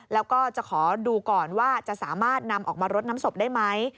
แล้วก็จะขอดูก่อนว่าจะสามารถนำออกมารดน้ำศพได้ไหม